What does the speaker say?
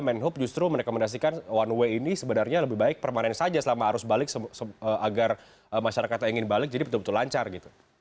menhub justru merekomendasikan one way ini sebenarnya lebih baik permanen saja selama arus balik agar masyarakat yang ingin balik jadi betul betul lancar gitu